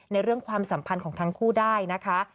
เรื่องความสัมพันธ์ของทั้งคู่ได้นะคะ